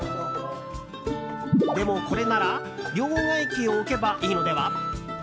でも、これなら両替機を置けばいいのでは？